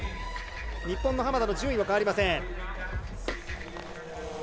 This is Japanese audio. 日本の浜田の順位は変わりません。